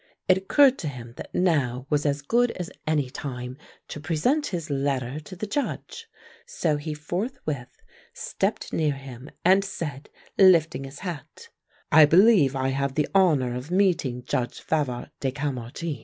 It occurred to him that now was as good as any time to present his letter to the Judge, so he forthwith stepped near him and said, lifting his hat: "I believe I have the honor of meeting Judge Favart de Caumartin?"